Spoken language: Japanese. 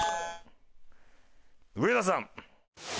上田さん。